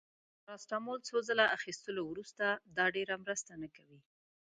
د پاراسټامول څو ځله اخیستلو وروسته، دا ډیره مرسته نه کوي.